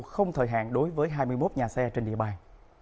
không thời hạn đối với hai mươi một nhà xe trên địa bàn